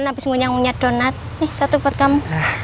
habis ngunyah ngunyah donat nih satu buat kamu